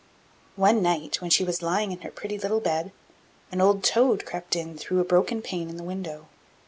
One night, when she was lying in her pretty little bed, an old toad crept in through a broken pane in the window.